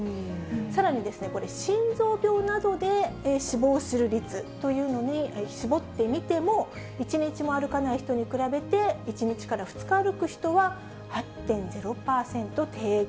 さらに、これ、心臓病などで死亡する率というのに絞ってみても、１日も歩かない人に比べて、１日から２日歩く人は８．０％低減。